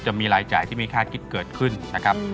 จะมีรายจ่ายที่มีค่าคิดเกิดขึ้นนะครับ